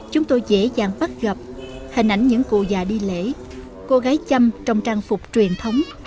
chúng tôi dễ dàng bắt gặp hình ảnh những cụ già đi lễ cô gái chăm trong trang phục truyền thống